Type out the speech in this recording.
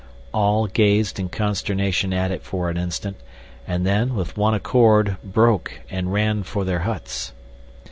All gazed in consternation at it for an instant, and then, with one accord, broke and ran for their huts.